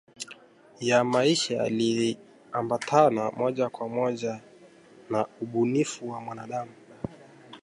ya maisha yaliambatana moja kwa moja na ubunifu wa mwanadamu